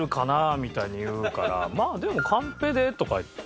みたいに言うからまあでもカンペでとか言って。